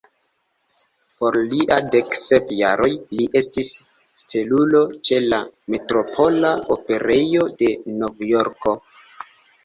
Por lia dek sep jaroj, li estis stelulo ĉe la Metropola Operejo de Novjorko.